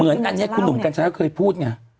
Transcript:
เหมือนอันเนี้ยกุลหนุ่มกันชั้นเคยพูดไง